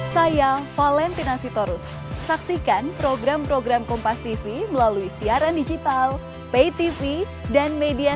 saya valentina sitorus saksikan program program kompas tv melalui siaran digital pay tv dan media